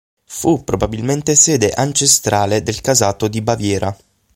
Fu probabilmente sede ancestrale del casato di Baviera.